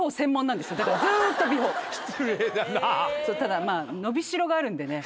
ただ伸び代があるんでね。